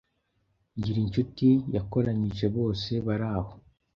Ngirincuti yakoranyije bose baraho